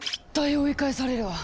追い返されるわ。